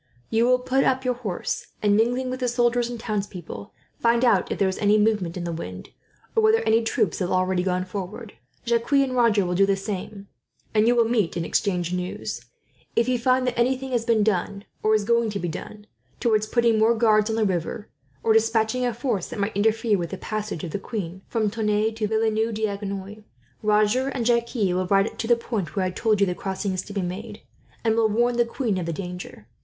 You will put up your horse and, mingling with the soldiers and townspeople, find out if there is any movement in the wind, or whether any troops have already gone forward. Jacques and Roger will do the same, and you will meet and exchange news. If you find that anything has been done, or is going to be done, towards putting more guards on the river, or despatching a force that might interfere with the passage of the queen from Tonneins to Villeneuve d'Agenois, Roger and Jacques will ride to the point where I told you the crossing is to be made, and will warn the queen of the danger.